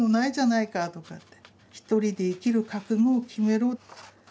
一人で生きる覚悟を決めろ」。